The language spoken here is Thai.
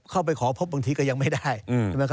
เข้าไปขอพบบางทีก็ยังไม่ได้